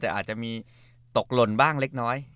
แต่อาจจะมีตกหล่นบ้างเล็กน้อย